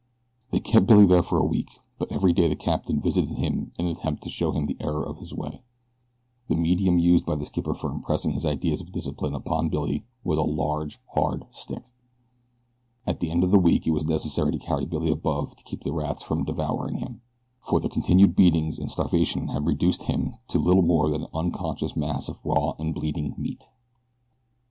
They kept Billy there for a week; but every day the captain visited him in an attempt to show him the error of his way. The medium used by the skipper for impressing his ideas of discipline upon Billy was a large, hard stick. At the end of the week it was necessary to carry Billy above to keep the rats from devouring him, for the continued beatings and starvation had reduced him to little more than an unconscious mass of raw and bleeding meat.